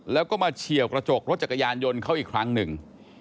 แล้วก็มาเฉียวกระจกรถจักรยานยนต์เขาอีกครั้งหนึ่ง